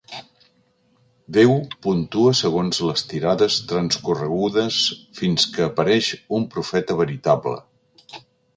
Déu puntua segons les tirades transcorregudes fins que apareix un profeta veritable.